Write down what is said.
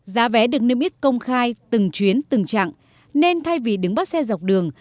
giá vé được nêm ít công khai từng chuyến từng trạng nên thay vì đứng bắt xe dọc đường